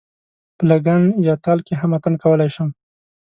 په لګن یا تال کې هم اتڼ کولای شم.